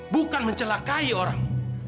bukan mencelakai orang